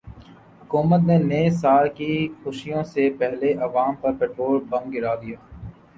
حکومت نے نئے سال کی خوشیوں سے پہلے عوام پر پیٹرول بم گرا دیا